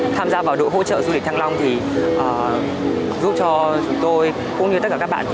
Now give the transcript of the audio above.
tham gia vào đội hỗ trợ du lịch thăng long thì giúp cho chúng tôi cũng như tất cả các bạn